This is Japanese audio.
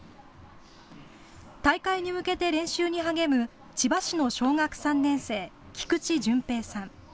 大会に向けて練習に励む千葉市の小学３年生、菊池純平さん。